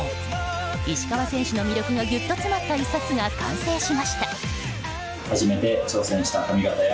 石川選手の魅力がギュッと詰まった１冊が完成しました。